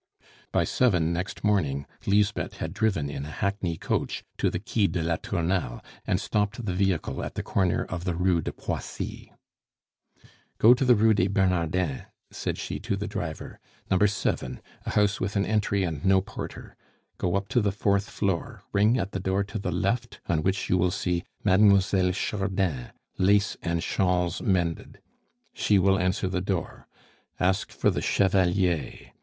By seven next morning Lisbeth had driven in a hackney coach to the Quai de la Tournelle, and stopped the vehicle at the corner of the Rue de Poissy. "Go to the Rue des Bernardins," said she to the driver, "No. 7, a house with an entry and no porter. Go up to the fourth floor, ring at the door to the left, on which you will see 'Mademoiselle Chardin Lace and shawls mended.' She will answer the door. Ask for the Chevalier.